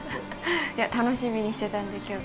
いや楽しみにしてたんで今日。